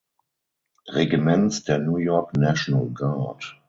Regiments der New York National Guard.